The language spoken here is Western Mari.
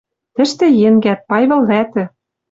Тӹштӹ, енгӓт, Пайвыл вӓтӹ